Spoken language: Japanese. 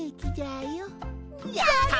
やった！